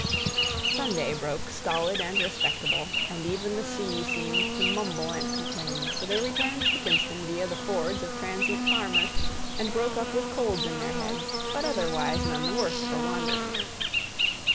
Sunday broke stolid and respectable, and even the sea seemed to mumble and complain, so they returned to Princeton via the Fords of transient farmers, and broke up with colds in their heads, but otherwise none the worse for wandering.